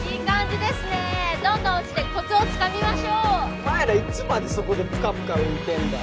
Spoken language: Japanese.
お前らいつまでそこでぷかぷか浮いてんだよ。